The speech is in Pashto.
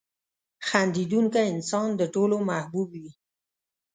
• خندېدونکی انسان د ټولو محبوب وي.